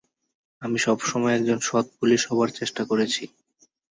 আমি সবসময় একজন সৎ পুলিশ হবার চেষ্টা করেছি।